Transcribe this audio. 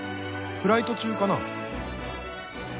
フライト中かな」